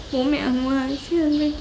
bố mẹ ở ngoài